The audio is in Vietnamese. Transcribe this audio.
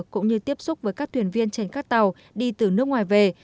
cũng như tiếp xúc với các thuyền viên trên các tàu đi từ nước ngoài về